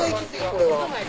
これは。